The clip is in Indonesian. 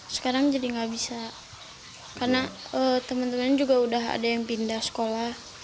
sekarang jadi nggak bisa karena teman teman juga udah ada yang pindah sekolah